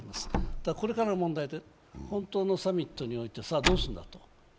ただこれからが問題で、本当のサミットにおいて、さあ、どうするんだと。